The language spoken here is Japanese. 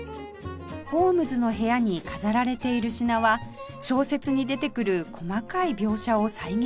ホームズの部屋に飾られている品は小説に出てくる細かい描写を再現しています